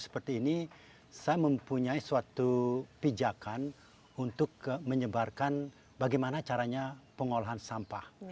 seperti ini saya mempunyai suatu pijakan untuk menyebarkan bagaimana caranya pengolahan sampah